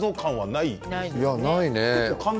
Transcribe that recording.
ないね。